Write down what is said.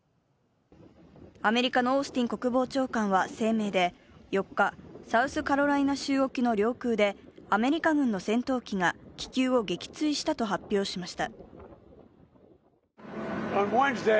アメリカのオースティン国防長官は声明で、４日、サウスカロライナ州沖の領空でアメリカ軍の戦闘機が気球を撃墜したと発表しました。